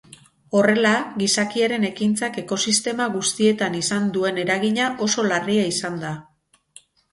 Horrela, gizakiaren ekintzak ekosistema guztietan izan duen eragina oso larria izan da.